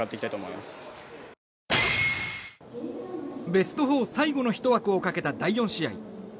ベスト４最後のひと枠をかけた第４試合。